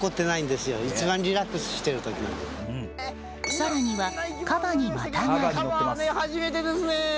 更には、カバにまたがり。